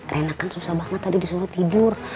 rena kan susah banget tadi disuruh tidur